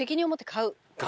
買う。